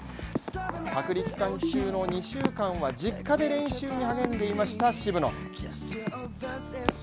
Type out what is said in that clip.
隔離期間中の２週間は実家で練習に励んでいました渋野。